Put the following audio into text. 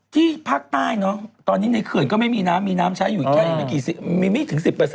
ที่ภาคใต้เนอะตอนนี้ในเขื่อนก็ไม่มีน้ำมีน้ำใช้อยู่อีกแค่มีไม่ถึง๑๐